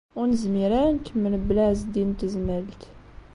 Ur nezmir ara ad nkemmel mebla Ɛezdin n Tezmalt.